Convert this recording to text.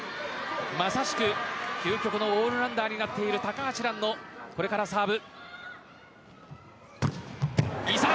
まさしく究極のオールラウンダーになっている高橋藍のこれからサーブ。